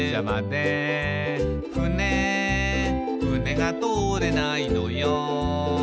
「ふねふねが通れないのよ」